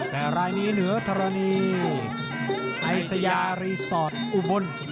และรายนี้เหนือทรณีไอบ์สยารีสอตอูบล